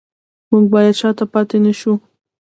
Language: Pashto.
موږ باید شاته پاتې نشو